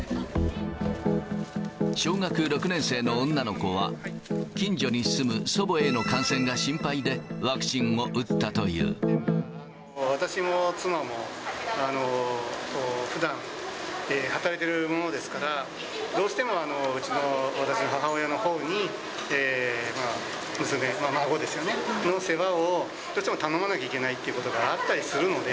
小学６年生の女の子は、近所に住む祖母への感染が心配で、私も妻も、ふだん、働いてるものですから、どうしてもうちの、私の母親のほうに、娘、孫の世話をどうしても頼まなきゃいけないってことがあったりするので。